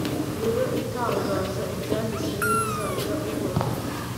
ni we utangaza ibyahise n'ibizaza.uhoraho